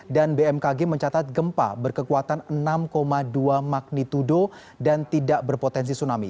dan bmkg mencatat gempa berkekuatan enam dua magnitudo dan tidak berpotensi tsunami